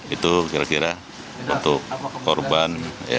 itu kira kira untuk korban